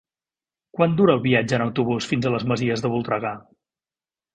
Quant dura el viatge en autobús fins a les Masies de Voltregà?